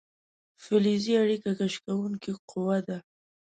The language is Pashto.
فلزي اړیکه کش کوونکې قوه ده.